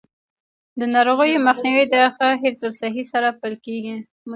د ناروغیو مخنیوی د ښه حفظ الصحې سره پیل کیږي.